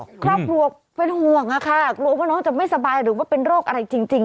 ครอบครัวเป็นห่วงค่ะกลัวว่าน้องจะไม่สบายหรือว่าเป็นโรคอะไรจริง